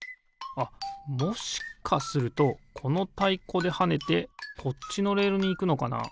あっもしかするとこのたいこではねてこっちのレールにいくのかな？